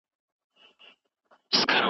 محمد ص ډیر ښه اخلاق درلودل.